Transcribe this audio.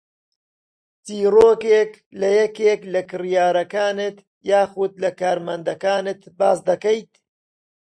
چیرۆکێک لە یەکێک لە کڕیارەکانت یاخوود لە کارمەندەکانت باس دەکەیت